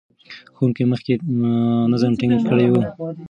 ښوونکي مخکې نظم ټینګ کړی و.